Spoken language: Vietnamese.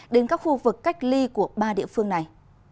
đến các khu vực cách ly của ba địa phương này